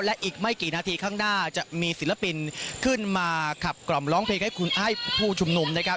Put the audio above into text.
และอีกไม่กี่นาทีข้างหน้าจะมีศิลปินขึ้นมาขับกล่อมร้องเพลงให้คุณไอ้ผู้ชุมนุมนะครับ